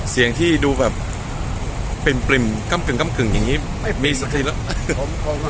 เสียงที่ดูแบบปริ่มกำกึ่งอย่างนี้ไม่มีสักทีแล้ว